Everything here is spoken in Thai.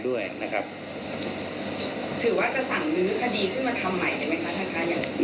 ถือว่าจะสั่งนื้อคดีขึ้นมาทำใหม่เห็นไหมคะท่านทายัง